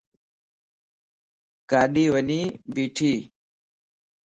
ڳاڏي وڃي بيٺي